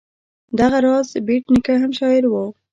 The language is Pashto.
دغه راز بېټ نیکه شاعر هم و.